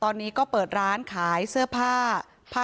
ตอนนี้ก็เปิดร้านขายเสื้อผ้าผ้าคลุมกระเป๋า